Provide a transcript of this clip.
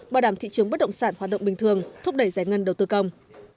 bảo đảm thị trường bất động sản hoạt động bình thường thúc đẩy giải ngân đầu tư công